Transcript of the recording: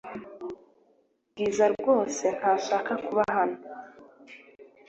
Bwiza rwose ntashaka kuba hano .